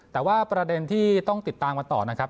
แต่ว่าประเด็นที่ต้องติดตามกันต่อนะครับ